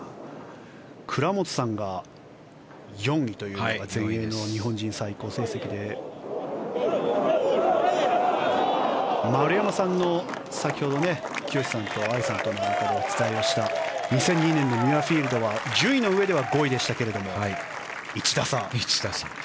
倉本さんが４位というのが全英の日本人最高成績で丸山さんの先ほど聖志さんと藍さんとの中でお伝えをした２００２年のミュアフィールドは順位のうえでは５位でしたけれど１打差。